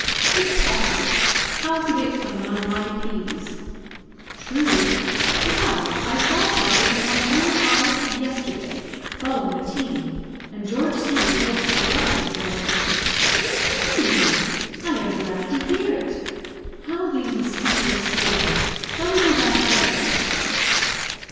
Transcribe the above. "Impossible! How could it come among my peas?" "True. Besides, I saw Chowder, with my own eyes, yesterday, following a team; and George C hopes to recover him for me." "Indeed! I am glad to hear it. How these mosquitoes sting. Shall we go back to the house?"